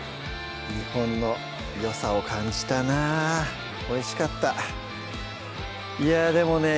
日本のよさを感じたなおいしかったいやでもね